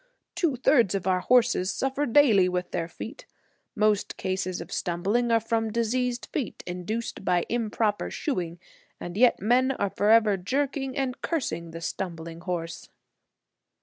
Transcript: Two thirds of our horses suffer daily with their feet. Most cases of stumbling are from diseased feet, induced by improper shoeing, and yet men are forever jerking and cursing the stumbling horse."